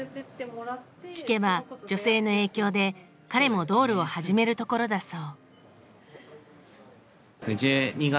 聞けば女性の影響で彼もドールを始めるところだそう。